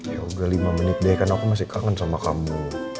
ya udah lima menit deh karena aku masih kangen sama kamu